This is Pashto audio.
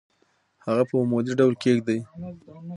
هغه په عمودي ډول کیږدئ.